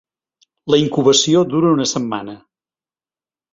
La incubació dura una setmana.